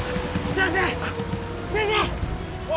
先生！